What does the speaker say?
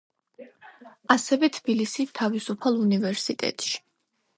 ასევე თბილისის თავისუფალ უნივერსიტეტში.